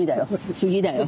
次だよ